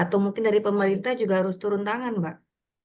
atau mungkin dari pemerintah juga harus turun tangan mbak